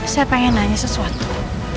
saya pengen nanya sesuatu